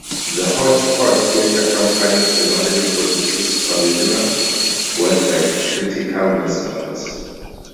The Hodge-Podge Theatre Company primarily produces original work by Critical Mass members.